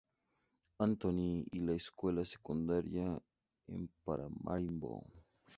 Anthony y la escuela Secundaria en Paramaribo.